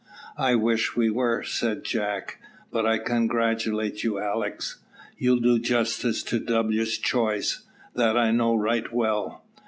"I wish we were," said Jack. "But I congratulate you, Alick; you'll do justice to W 's choice. That I know right well."